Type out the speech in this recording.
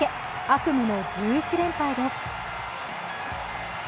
悪夢の１１連敗です。